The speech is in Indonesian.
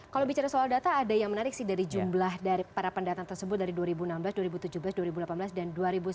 kalau bicara soal data ada yang menarik sih dari jumlah dari para pendatang tersebut dari dua ribu enam belas dua ribu tujuh belas dua ribu delapan belas dan dua ribu sembilan belas